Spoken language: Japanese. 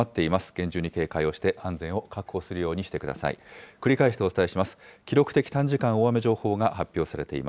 厳重に警戒して安全を確保するようにしてください。